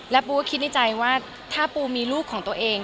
ปูก็คิดในใจว่าถ้าปูมีลูกของตัวเอง